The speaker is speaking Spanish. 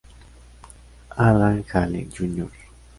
Alan Hale, Jr.